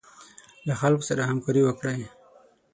له خلکو سره همکاري وکړئ.